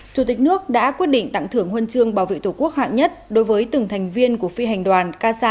chủ tịch nước đã quyết định tặng thưởng huân chương bảo vệ tổ quốc hạng nhất đối với từng thành viên của phi hành đoàn casa hai trăm một mươi hai